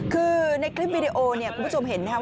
คือในคลิปวีดีโอคุณผู้ชมเห็นไหมครับ